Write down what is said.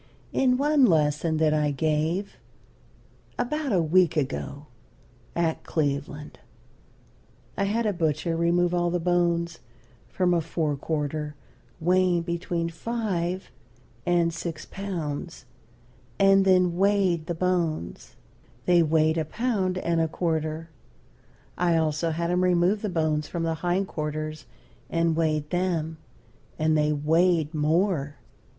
In one lesson that I gave, about a week ago, at Cleveland, I had a butcher remove all the bones from a fore quarter weighing between five and six pounds, and then weighed the bones: They weighed a pound and a quarter. I also had him remove the bones from the hind quarters and weighed them, and they weighed more.